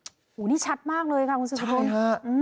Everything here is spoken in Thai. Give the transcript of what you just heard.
โอ้โหนี่ชัดมากเลยค่ะคุณสุภุมใช่ฮะ